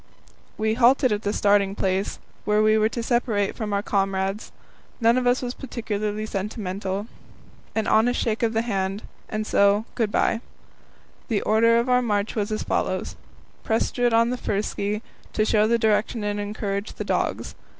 We halted at the starting place, where we were to separate from our comrades. None of us was particularly sentimental. An honest shake of the hand, and so "Good bye." The order of our march was as follows: Prestrud first on ski, to show the direction and encourage the dogs.